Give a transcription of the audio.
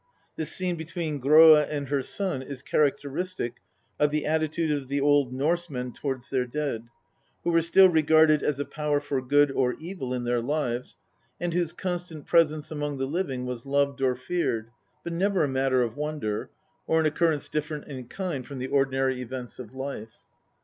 This scene between Gr6a and her son is characteristic of the attitude of the Old Norsemen towards their dead, who were still regarded as a power for good or evil in their lives, and whose constant presence among the living was loved or feared, but never a matter of wonder, or an occurrence different in kind from the ordinary events of life.